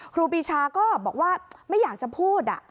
ครูปีชาก็บอกว่าไม่อยากจะพูด